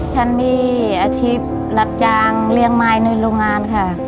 ฉันมีอาชีพรับจ้างเลี้ยงไม้ในโรงงานค่ะ